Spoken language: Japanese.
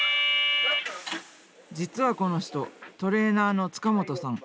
実はこの人トレーナーの塚本さん！